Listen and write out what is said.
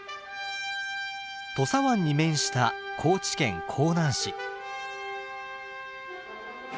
土佐湾に面した高知県香南市。